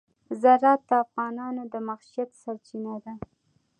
زراعت د افغانانو د معیشت سرچینه ده.